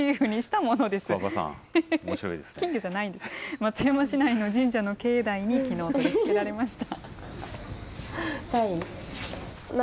松山市内の神社の境内に、きのう取り付けられました。